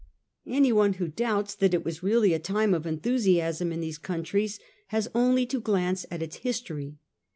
Anyone who doubts that it was really a time of enthusiasm in these countries has only to glance at its history.